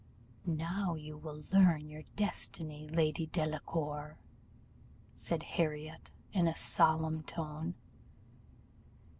"'Now you will learn your destiny, Lady Delacour!' said Harriot, in a solemn tone.